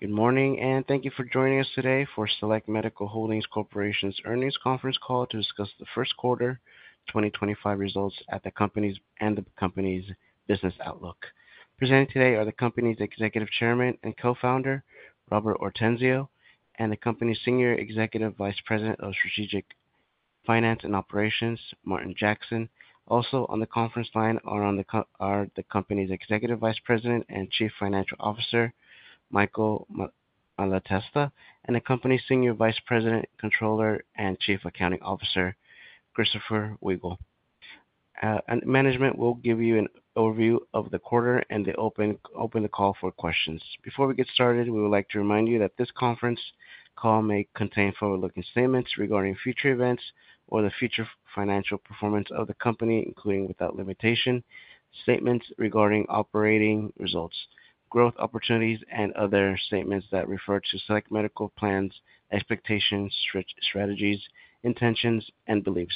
Good morning, and thank you for joining us today for Select Medical Holdings Corporation's earnings conference call to discuss the first quarter 2025 results and the company's business outlook. Presenting today are the company's Executive Chairman and Co-Founder, Robert Ortenzio, and the company's Senior Executive Vice President of Strategic Finance and Operations, Martin Jackson. Also on the conference line are the company's Executive Vice President and Chief Financial Officer, Michael Malatesta, and the company's Senior Vice President, Controller, and Chief Accounting Officer, Christopher Wiegel. Management will give you an overview of the quarter and open the call for questions. Before we get started, we would like to remind you that this conference call may contain forward-looking statements regarding future events or the future financial performance of the company, including without limitation statements regarding operating results, growth opportunities, and other statements that refer to Select Medical's plans, expectations, strategies, intentions, and beliefs.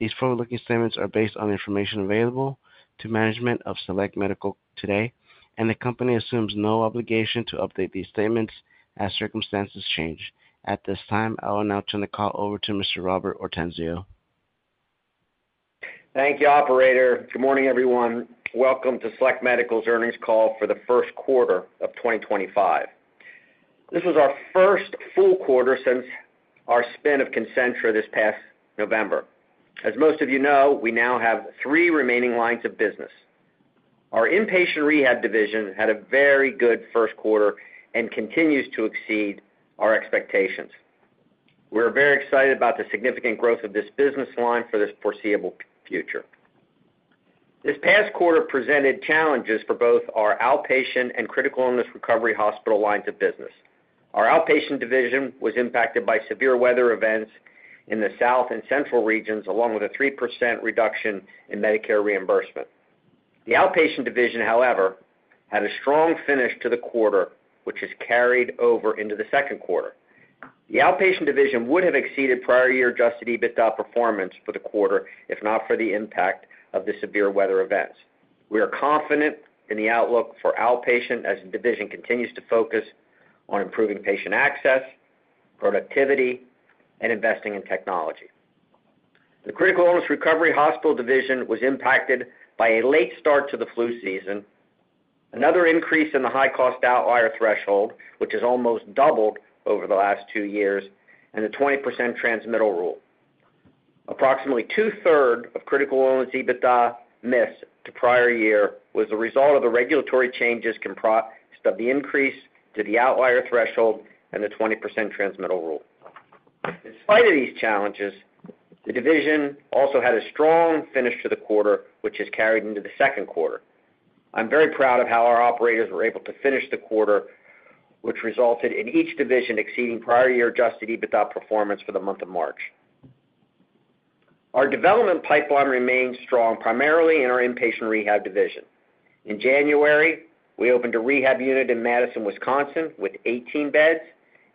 These forward-looking statements are based on information available to management of Select Medical today, and the company assumes no obligation to update these statements as circumstances change. At this time, I will now turn the call over to Mr. Robert Ortenzio. Thank you, operator. Good morning, everyone. Welcome to Select Medical's earnings call for the first quarter of 2025. This was our first full quarter since our spin of Concentra this past November. As most of you know, we now have three remaining lines of business. Our inpatient rehab division had a very good first quarter and continues to exceed our expectations. We're very excited about the significant growth of this business line for this foreseeable future. This past quarter presented challenges for both our outpatient and critical illness recovery hospital lines of business. Our outpatient division was impacted by severe weather events in the south and central regions, along with a 3% reduction in Medicare reimbursement. The outpatient division, however, had a strong finish to the quarter, which has carried over into the second quarter. The outpatient division would have exceeded prior year adjusted EBITDA performance for the quarter if not for the impact of the severe weather events. We are confident in the outlook for outpatient as the division continues to focus on improving patient access, productivity, and investing in technology. The critical illness recovery hospital division was impacted by a late start to the flu season, another increase in the high-cost outlier threshold, which has almost doubled over the last two years, and the 20% transmittal rule. Approximately two-thirds of critical illness EBITDA missed to prior year was the result of the regulatory changes comprised of the increase to the outlier threshold and the 20% transmittal rule. In spite of these challenges, the division also had a strong finish to the quarter, which has carried into the second quarter. I'm very proud of how our operators were able to finish the quarter, which resulted in each division exceeding prior year adjusted EBITDA performance for the month of March. Our development pipeline remains strong, primarily in our inpatient rehab division. In January, we opened a rehab unit in Madison, Wisconsin, with 18 beds.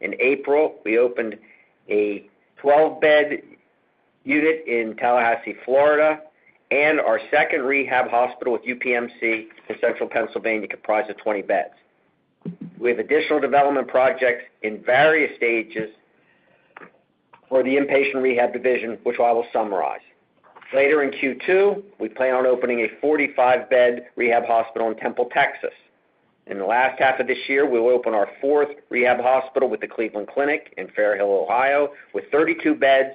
In April, we opened a 12-bed unit in Tallahassee, Florida, and our second rehab hospital with UPMC in Central Pennsylvania comprised of 20 beds. We have additional development projects in various stages for the inpatient rehab division, which I will summarize. Later in Q2, we plan on opening a 45-bed rehab hospital in Temple, Texas. In the last half of this year, we will open our fourth rehab hospital with the Cleveland Clinic in Fairhill, Ohio, with 32 beds,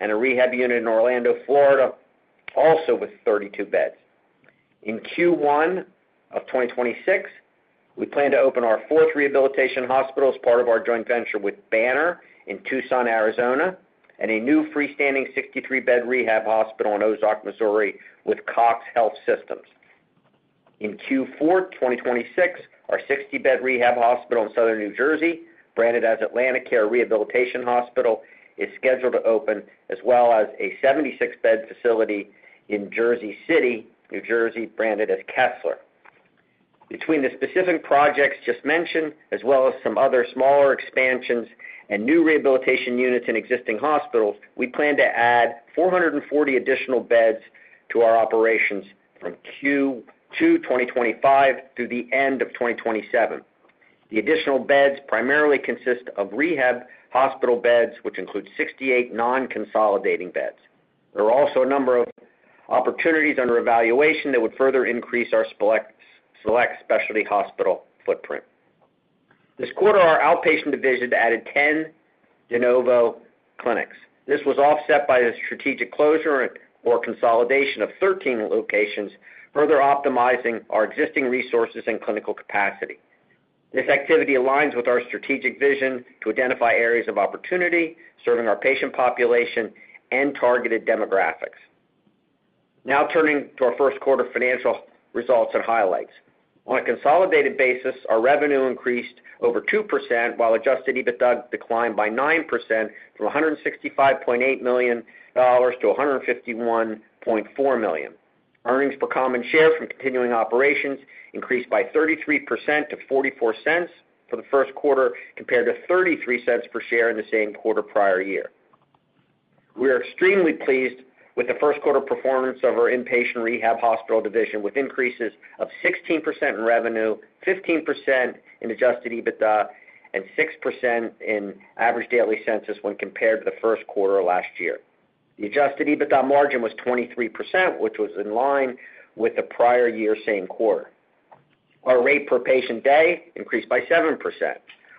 and a rehab unit in Orlando, Florida, also with 32 beds. In Q1 of 2026, we plan to open our fourth rehabilitation hospital as part of our joint venture with Banner Health in Tucson, Arizona, and a new freestanding 63-bed rehab hospital in Ozark, Missouri, with CoxHealth. In Q4 2026, our 60-bed rehab hospital in Southern New Jersey, branded as AtlantiCare Rehabilitation Hospital, is scheduled to open, as well as a 76-bed facility in Jersey City, New Jersey, branded as Kessler. Between the specific projects just mentioned, as well as some other smaller expansions and new rehabilitation units in existing hospitals, we plan to add 440 additional beds to our operations from Q2 2025 through the end of 2027. The additional beds primarily consist of rehab hospital beds, which include 68 non-consolidating beds. There are also a number of opportunities under evaluation that would further increase our Select Specialty Hospital footprint. This quarter, our outpatient division added 10 Genovo clinics. This was offset by the strategic closure or consolidation of 13 locations, further optimizing our existing resources and clinical capacity. This activity aligns with our strategic vision to identify areas of opportunity serving our patient population and targeted demographics. Now turning to our first quarter financial results and highlights. On a consolidated basis, our revenue increased over 2%, while adjusted EBITDA declined by 9% from $165.8 million to $151.4 million. Earnings per common share from continuing operations increased by 33% to $0.44 for the first quarter, compared to $0.33 per share in the same quarter prior year. We are extremely pleased with the first quarter performance of our inpatient rehab hospital division, with increases of 16% in revenue, 15% in adjusted EBITDA, and 6% in average daily census when compared to the first quarter last year. The adjusted EBITDA margin was 23%, which was in line with the prior year's same quarter. Our rate per patient day increased by 7%.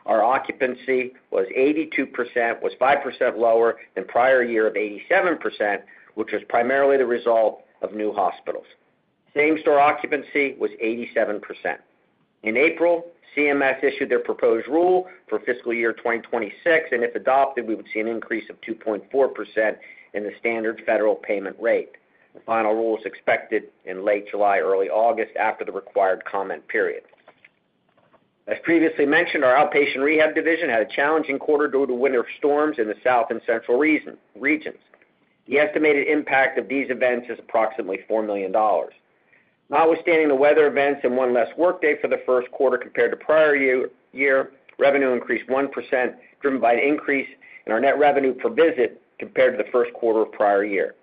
Our occupancy was 82%, was 5% lower than prior year of 87%, which was primarily the result of new hospitals. Same-store occupancy was 87%. In April, CMS issued their proposed rule for fiscal year 2026, and if adopted, we would see an increase of 2.4% in the standard federal payment rate. The final rule is expected in late July, early August, after the required comment period. As previously mentioned, our outpatient rehab division had a challenging quarter due to winter storms in the south and central regions. The estimated impact of these events is approximately $4 million. Notwithstanding the weather events and one less workday for the first quarter compared to prior year, revenue increased 1%, driven by an increase in our net revenue per visit compared to the first quarter of prior year.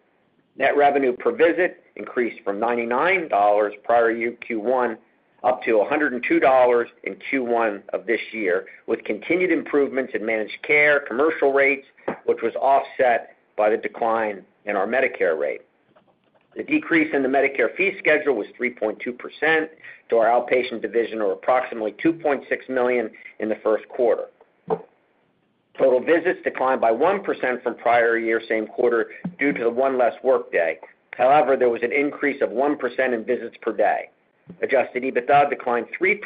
Net revenue per visit increased from $99 prior year Q1 up to $102 in Q1 of this year, with continued improvements in managed care commercial rates, which was offset by the decline in our Medicare rate. The decrease in the Medicare fee schedule was 3.2% to our outpatient division, or approximately $2.6 million in the first quarter. Total visits declined by 1% from prior year's same quarter due to the one less workday. However, there was an increase of 1% in visits per day. Adjusted EBITDA declined 3%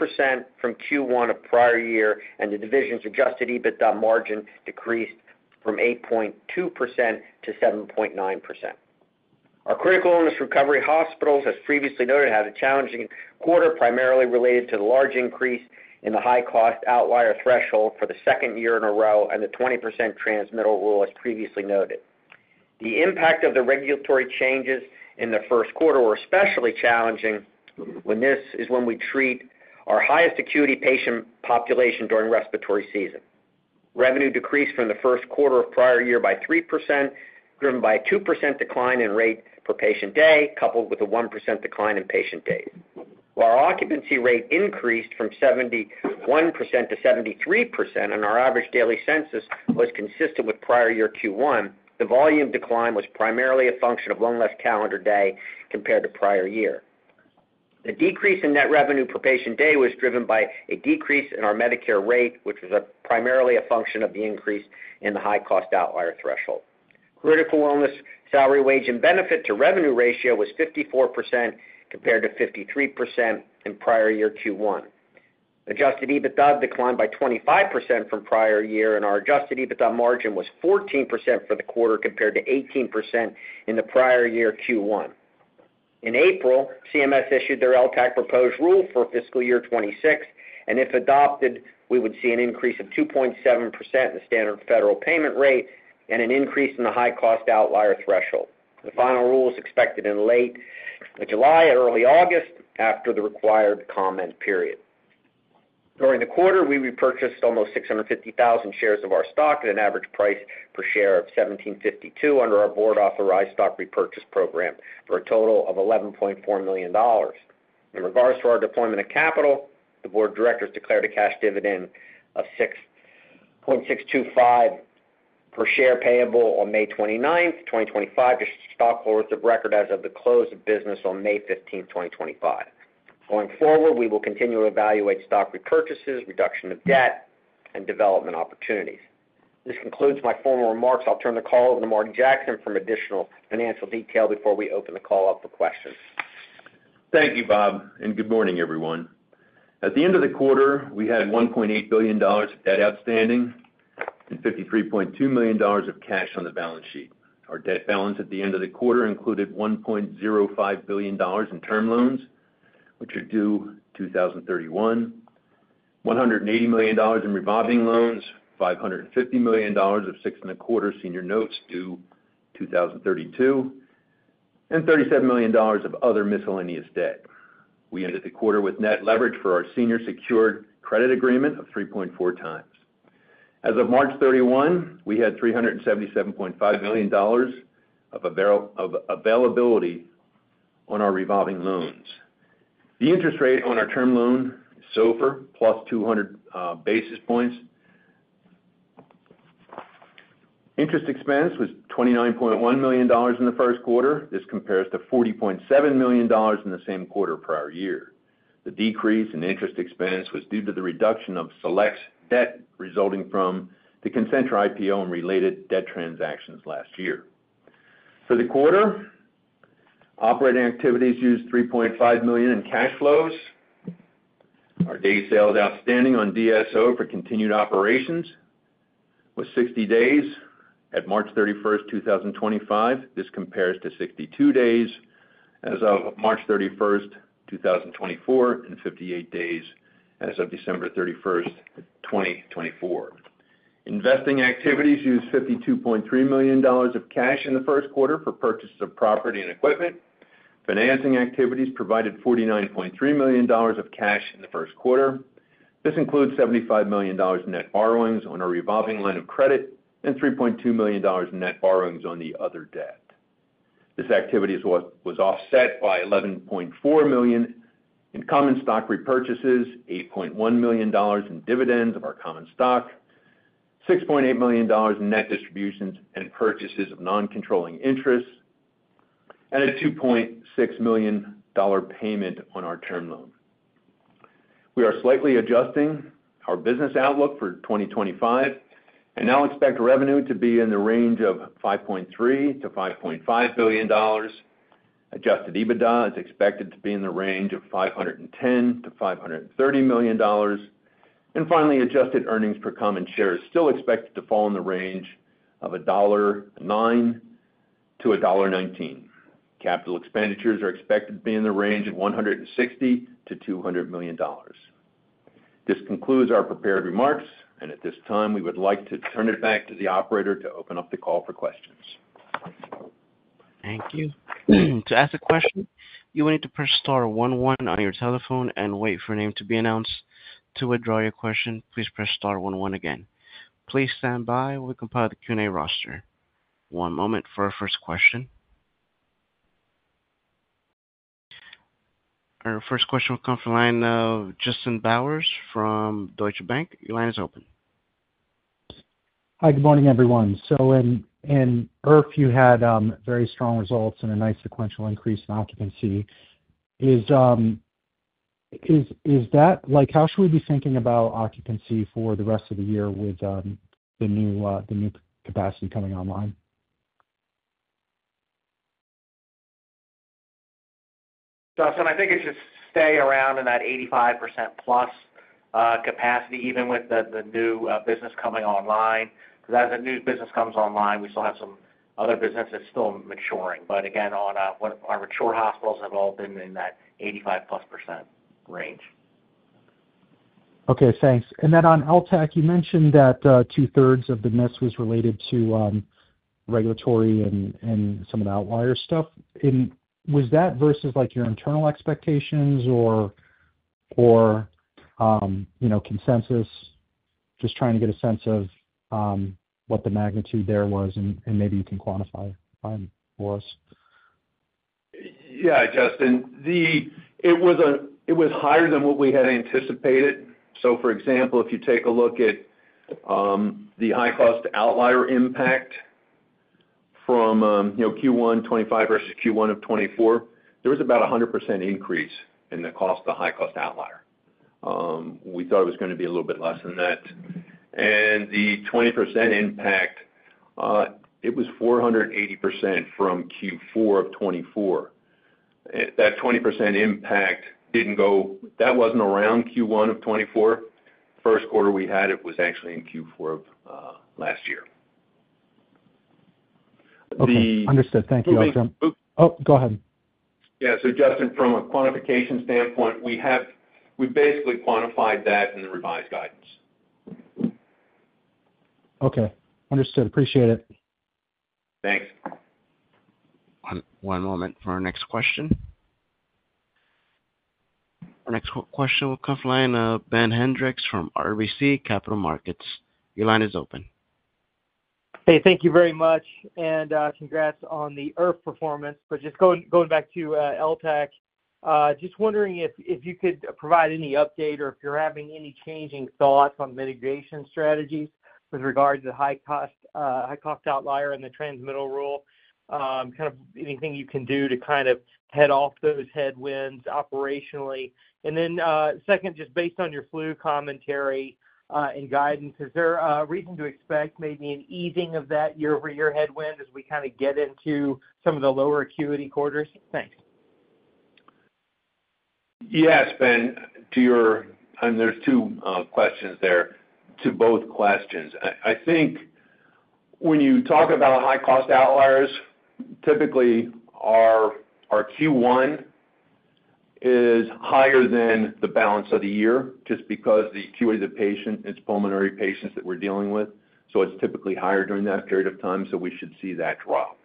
from Q1 of prior year, and the division's adjusted EBITDA margin decreased from 8.2% to 7.9%. Our critical illness recovery hospitals, as previously noted, had a challenging quarter, primarily related to the large increase in the high-cost outlier threshold for the second year in a row and the 20% transmittal rule, as previously noted. The impact of the regulatory changes in the first quarter was especially challenging when this is when we treat our highest acuity patient population during respiratory season. Revenue decreased from the first quarter of prior year by 3%, driven by a 2% decline in rate per patient day, coupled with a 1% decline in patient days. While our occupancy rate increased from 71% to 73%, and our average daily census was consistent with prior year Q1, the volume decline was primarily a function of one less calendar day compared to prior year. The decrease in net revenue per patient day was driven by a decrease in our Medicare rate, which was primarily a function of the increase in the high-cost outlier threshold. Critical illness salary, wage, and benefit to revenue ratio was 54% compared to 53% in prior year Q1. Adjusted EBITDA declined by 25% from prior year, and our adjusted EBITDA margin was 14% for the quarter compared to 18% in the prior year Q1. In April, CMS issued their LTAC proposed rule for fiscal year 2026, and if adopted, we would see an increase of 2.7% in the standard federal payment rate and an increase in the high-cost outlier threshold. The final rule is expected in late July and early August after the required comment period. During the quarter, we repurchased almost 650,000 shares of our stock at an average price per share of $1,752 under our board-authorized stock repurchase program for a total of $11.4 million. In regards to our deployment of capital, the board of directors declared a cash dividend of $6.625 per share payable on May 29, 2025, just to stockholders of record as of the close of business on May 15, 2025. Going forward, we will continue to evaluate stock repurchases, reduction of debt, and development opportunities. This concludes my formal remarks. I'll turn the call over to Martin Jackson for additional financial detail before we open the call up for questions. Thank you, Bob, and good morning, everyone. At the end of the quarter, we had $1.8 billion of debt outstanding and $53.2 million of cash on the balance sheet. Our debt balance at the end of the quarter included $1.05 billion in term loans, which are due 2031, $180 million in revolving loans, $550 million of six and a quarter senior notes due 2032, and $37 million of other miscellaneous debt. We ended the quarter with net leverage for our senior secured credit agreement of 3.4x. As of March 31, we had $377.5 million of availability on our revolving loans. The interest rate on our term loan is SOFR, plus 200 basis points. Interest expense was $29.1 million in the first quarter. This compares to $40.7 million in the same quarter prior year. The decrease in interest expense was due to the reduction of Select's debt resulting from the Concentra IPO and related debt transactions last year. For the quarter, operating activities used $3.5 million in cash flows. Our days sales outstanding on DSO for continued operations was 60 days at March 31st, 2025. This compares to 62 days as of March 31st, 2024, and 58 days as of December 31st, 2024. Investing activities used $52.3 million of cash in the first quarter for purchase of property and equipment. Financing activities provided $49.3 million of cash in the first quarter. This includes $75 million net borrowings on our revolving line of credit and $3.2 million net borrowings on the other debt. This activity was offset by $11.4 million in common stock repurchases, $8.1 million in dividends of our common stock, $6.8 million in net distributions and purchases of non-controlling interest, and a $2.6 million payment on our term loan. We are slightly adjusting our business outlook for 2025 and now expect revenue to be in the range of $5.3 billion-$5.5 billion. Adjusted EBITDA is expected to be in the range of $510 million-$530 million. Finally, adjusted earnings per common share is still expected to fall in the range of $1.09-$1.19. Capital expenditures are expected to be in the range of $160 million-$200 million. This concludes our prepared remarks, and at this time, we would like to turn it back to the operator to open up the call for questions. Thank you. To ask a question, you will need to press Star one one on your telephone and wait for a name to be announced. To withdraw your question, please press Star one one again. Please stand by while we compile the Q&A roster. One moment for our first question. Our first question will come from the line of Justin Bowers from Deutsche Bank. Your line is open. Hi, good morning, everyone. In IRF, you had very strong results and a nice sequential increase in occupancy. How should we be thinking about occupancy for the rest of the year with the new capacity coming online? Justin, I think it should stay around in that 85% plus capacity, even with the new business coming online. As the new business comes online, we still have some other business that's still maturing. Again, our mature hospitals have all been in that 85% plus range. Okay, thanks. Then on LTAC, you mentioned that two-thirds of the miss was related to regulatory and some of the outlier stuff. Was that versus your internal expectations or consensus? Just trying to get a sense of what the magnitude there was, and maybe you can quantify it for us. Yeah, Justin. It was higher than what we had anticipated. For example, if you take a look at the high-cost outlier impact from Q1 2025 versus Q1 of 2024, there was about a 100% increase in the cost of the high-cost outlier. We thought it was going to be a little bit less than that. The 20% impact, it was 480% from Q4 of 2024. That 20% impact did not go; that was not around Q1 of 2024. First quarter we had, it was actually in Q4 of last year. Understood. Thank you, Aljo. Oh, go ahead. Yeah. Justin, from a quantification standpoint, we basically quantified that in the revised guidance. Okay. Understood. Appreciate it. Thanks. One moment for our next question. Our next question will come from Ben Hendrix from RBC Capital Markets. Your line is open. Hey, thank you very much. Congrats on the IRF performance. Just going back to LTAC, just wondering if you could provide any update or if you're having any changing thoughts on mitigation strategies with regard to the high-cost outlier and the 20% Transmittal Rule, kind of anything you can do to kind of head off those headwinds operationally. Then, second, just based on your flu commentary and guidance, is there a reason to expect maybe an easing of that year-over-year headwind as we kind of get into some of the lower acuity quarters? Thanks. Yes, Ben. There are two questions there. To both questions, I think when you talk about high-cost outliers, typically our Q1 is higher than the balance of the year just because the acuity of the patient, it's pulmonary patients that we're dealing with. It is typically higher during that period of time, so we should see that drop.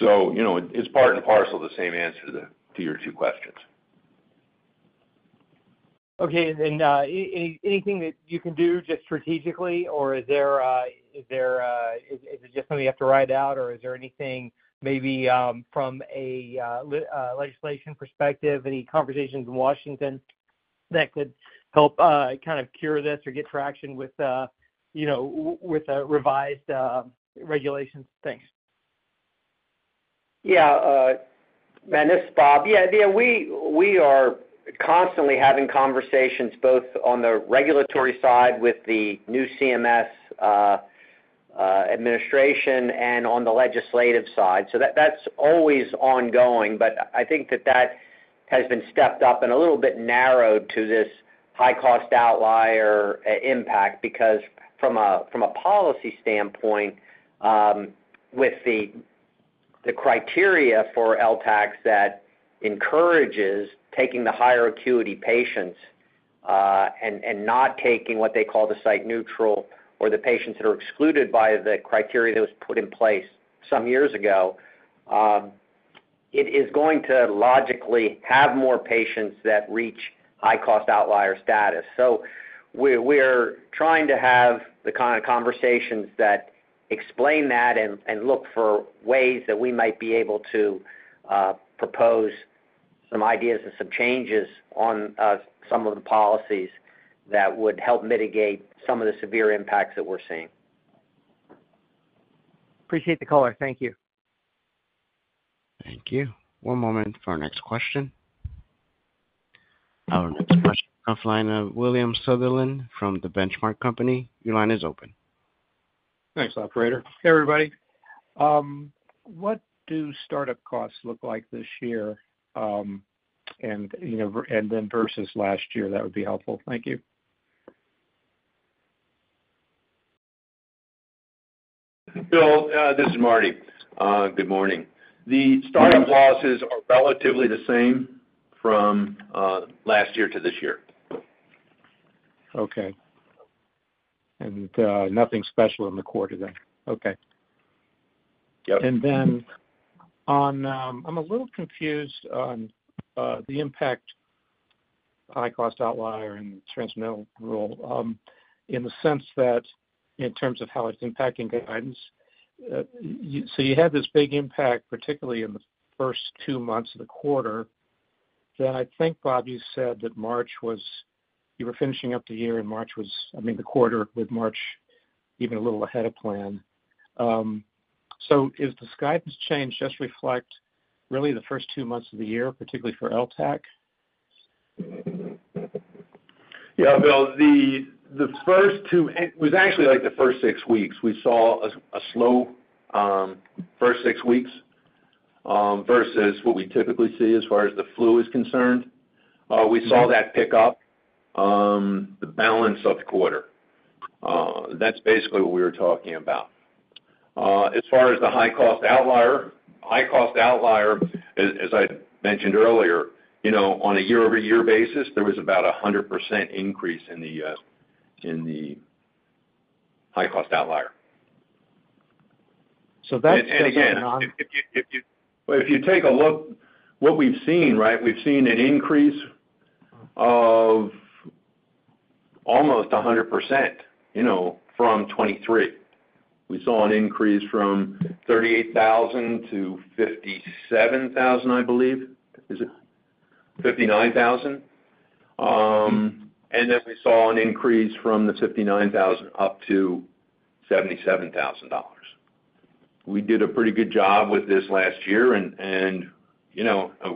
It is part and parcel of the same answer to your two questions. Okay. Anything that you can do just strategically, or is there just something you have to ride out, or is there anything maybe from a legislation perspective, any conversations in Washington that could help kind of cure this or get traction with revised regulations? Thanks. Yeah. Ben, this is Bob. Yeah, we are constantly having conversations both on the regulatory side with the new CMS administration and on the legislative side. That is always ongoing. I think that that has been stepped up and a little bit narrowed to this high-cost outlier impact because from a policy standpoint, with the criteria for LTACs that encourages taking the higher acuity patients and not taking what they call the site neutral or the patients that are excluded by the criteria that was put in place some years ago, it is going to logically have more patients that reach high-cost outlier status. We are trying to have the kind of conversations that explain that and look for ways that we might be able to propose some ideas and some changes on some of the policies that would help mitigate some of the severe impacts that we are seeing. Appreciate the caller. Thank you. Thank you. One moment for our next question. Our next question comes from William Sutherland from The Benchmark Company. Your line is open. Thanks, Operator. Hey, everybody. What do startup costs look like this year and then versus last year? That would be helpful. Thank you. Bill, this is Marty. Good morning. The startup losses are relatively the same from last year to this year. Okay. Nothing special in the quarter then. I am a little confused on the impact high-cost outlier and transmittal rule in the sense that in terms of how it is impacting guidance. You had this big impact, particularly in the first two months of the quarter. I think, Bob, you said that March was you were finishing up the year and March was, I mean, the quarter with March even a little ahead of plan. Is this guidance change just reflect really the first two months of the year, particularly for LTAC? Yeah, Bill. The first two was actually like the first six weeks. We saw a slow first six weeks versus what we typically see as far as the flu is concerned. We saw that pick up the balance of the quarter. That's basically what we were talking about. As far as the high-cost outlier, high-cost outlier, as I mentioned earlier, on a year-over-year basis, there was about a 100% increase in the high-cost outlier. That's taken on. If you take a look, what we've seen, right, we've seen an increase of almost 100% from 2023. We saw an increase from 38,000 to 57,000, I believe. Is it 59,000? We saw an increase from the 59,000 up to $77,000. We did a pretty good job with this last year, and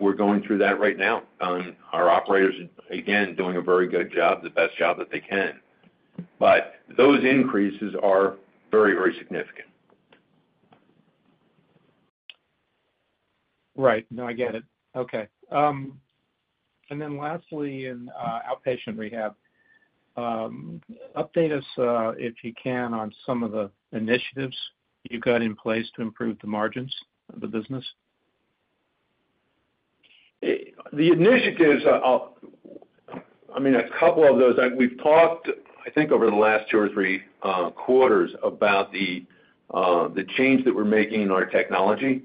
we're going through that right now. Our operators, again, doing a very good job, the best job that they can. Those increases are very, very significant. Right. No, I get it. Okay. Lastly, in outpatient rehab, update us if you can on some of the initiatives you've got in place to improve the margins of the business. The initiatives, I mean, a couple of those, we've talked, I think, over the last two or three quarters about the change that we're making in our technology.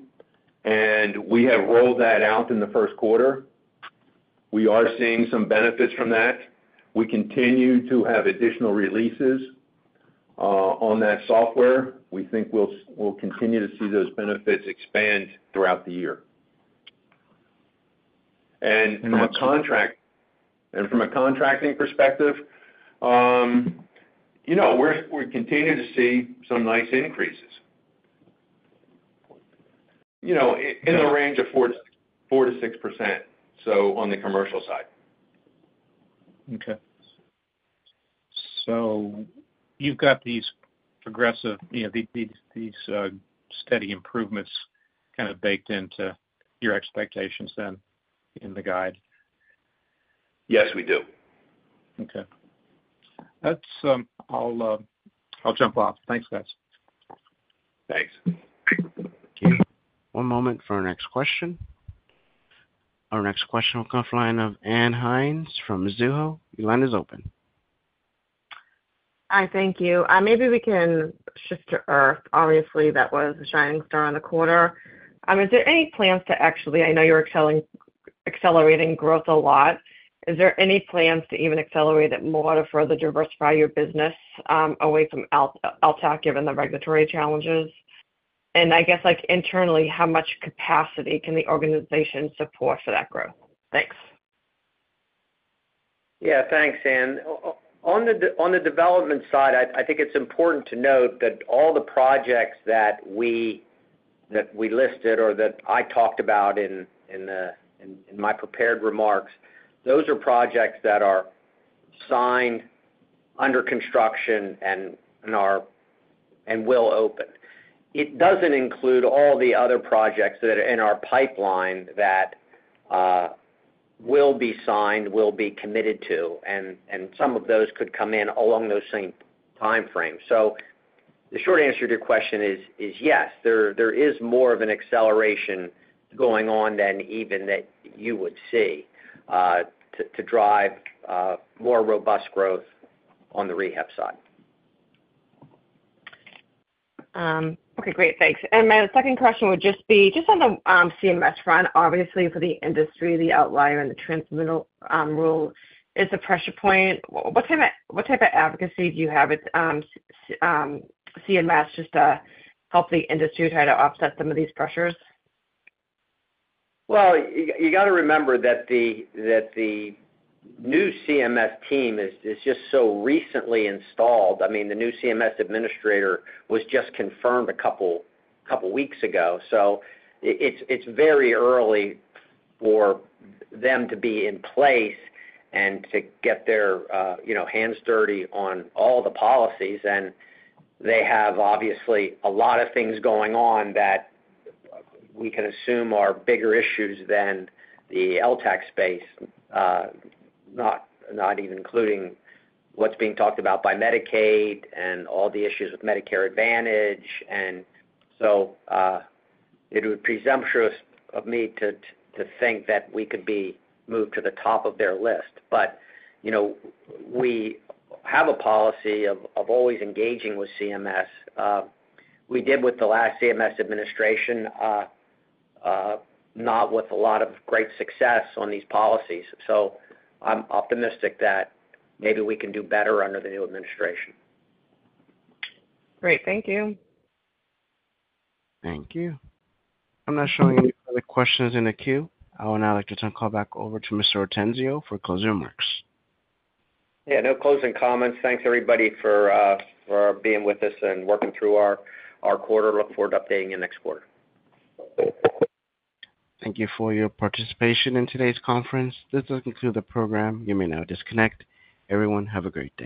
We have rolled that out in the first quarter. We are seeing some benefits from that. We continue to have additional releases on that software. We think we'll continue to see those benefits expand throughout the year. From a contracting perspective, we're continuing to see some nice increases in the range of 4-6%, on the commercial side. Okay. You have got these progressive, these steady improvements kind of baked into your expectations then in the guide? Yes, we do. Okay. I'll jump off. Thanks, guys. Thanks. Okay. One moment for our next question. Our next question will come from the line of Ann Hynes from Mizuho. Your line is open. Hi. Thank you. Maybe we can shift to IRF. Obviously, that was a shining star in the quarter. Is there any plans to actually—I know you're accelerating growth a lot. Is there any plans to even accelerate it more to further diversify your business away from LTAC, given the regulatory challenges? I guess internally, how much capacity can the organization support for that growth? Thanks. Yeah. Thanks, Anne. On the development side, I think it's important to note that all the projects that we listed or that I talked about in my prepared remarks, those are projects that are signed, under construction, and will open. It doesn't include all the other projects that are in our pipeline that will be signed, will be committed to, and some of those could come in along those same time frames. The short answer to your question is yes. There is more of an acceleration going on than even that you would see to drive more robust growth on the rehab side. Okay. Great. Thanks. My second question would just be just on the CMS front, obviously, for the industry, the outlier and the transmittal rule is a pressure point. What type of advocacy do you have at CMS just to help the industry try to offset some of these pressures? You got to remember that the new CMS team is just so recently installed. I mean, the new CMS administrator was just confirmed a couple of weeks ago. It is very early for them to be in place and to get their hands dirty on all the policies. They have, obviously, a lot of things going on that we can assume are bigger issues than the LTAC space, not even including what is being talked about by Medicaid and all the issues with Medicare Advantage. It would be presumptuous of me to think that we could be moved to the top of their list. We have a policy of always engaging with CMS. We did with the last CMS administration, not with a lot of great success on these policies. I am optimistic that maybe we can do better under the new administration. Great. Thank you. Thank you. I'm not showing any further questions in the queue. I will now like to turn the call back over to Mr. Ortenzio for closing remarks. Yeah. No closing comments. Thanks, everybody, for being with us and working through our quarter. Look forward to updating you next quarter. Thank you for your participation in today's conference. This has concluded the program. You may now disconnect. Everyone, have a great day.